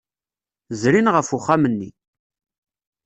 Zrin ɣef uxxam-nni.